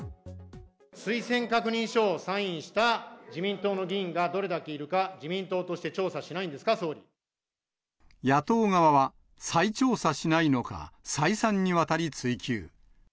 推薦確認書をサインした自民党の議員がどれだけいるか、自民党として調査しないんですか、野党側は、再調査しないのか、再三にわたり追及。